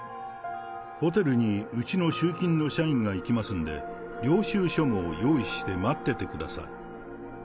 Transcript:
ホテルにうちの集金の社員が行きますんで、領収書も用意して待っててください。